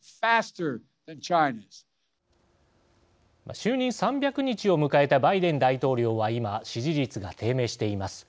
就任３００日を迎えたバイデン大統領は今、支持率が低迷しています。